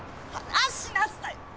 離しなさい！